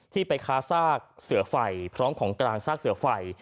ที่ไปค้าซากเสือไฟพร้อมของกลางซากเสือไฟ